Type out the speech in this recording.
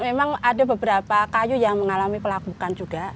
memang ada beberapa kayu yang mengalami kelakukan juga